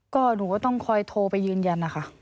ก็หนูก็ต้องคอยโทรไปยืนยันนะคะ